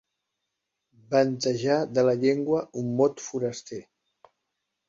Ventejar de la llengua un mot foraster.